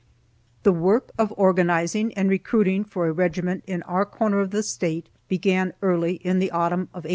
The work of organizing and recruiting for a regiment in our corner of the State began early in the autumn of 1861.